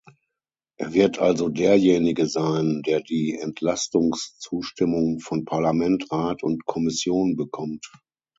Er wird also derjenige sein, der die Entlastungszustimmung von Parlament, Rat und Kommission bekommt.